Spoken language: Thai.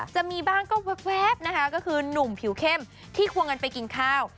จะมีบ้างก็แว๊บนะคะก็คือหนุ่มผิวเข้มที่ควงกันไปกินข้าว